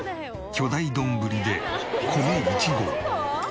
巨大丼で米１合。